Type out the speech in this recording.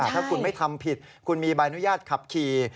ถ้าคุณไม่ทำผิดคุณมีใบอนุญาตขับขี่